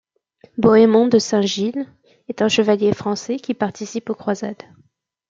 Bohémond de Saint-Gilles est un chevalier français qui participe aux Croisades.